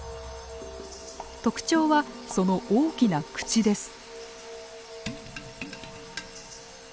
特徴はその大きな口です。